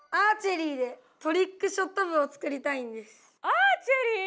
アーチェリー？